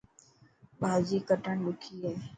ڀاڄي ڪٽڻ ڏکي هي.